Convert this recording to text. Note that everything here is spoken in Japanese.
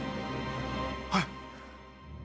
はい。